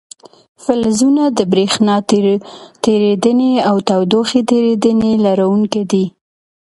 فلزونه د برېښنا تیریدنې او تودوخې تیریدنې لرونکي دي.